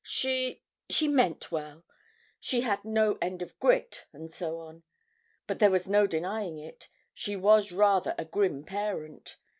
She—she meant well, she had no end of grit, and so on. But there was no denying it, she was rather a grim parent.